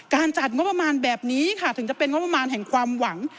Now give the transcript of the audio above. จัดงบประมาณแบบนี้ค่ะถึงจะเป็นงบประมาณแห่งความหวัง